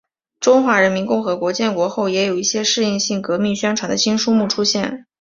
中华人民共和国建国后也有一些适应革命宣传的新书目出现。